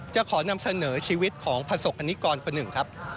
จะขอนำเสนอชีวิตของประสบกรณิกรคนหนึ่งครับ